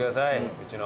うちの。